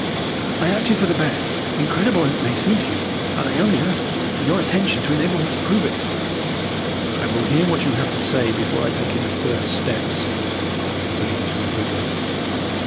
I acted for the best, incredible as it may seem to you, and I only ask your attention to enable me to prove it." "I will hear what you have to say before I take any further steps," said Mortimer, grimly.